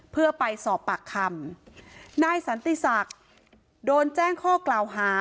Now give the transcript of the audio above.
เพื่อไปสอบปากคำนายสันติศักดิ์โดนแจ้งข้อกล่าวหา